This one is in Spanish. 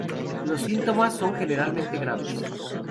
Los síntomas son generalmente graves.